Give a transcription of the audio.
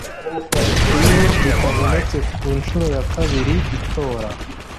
Iyo bitabonetse ku nshuro ya kabiri itora